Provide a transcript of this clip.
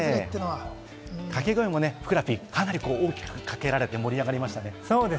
掛け声もふくらＰ、かなり大きくかけられて、盛り上がりましたね。